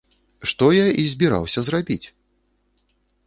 Што я і збіраўся зрабіць.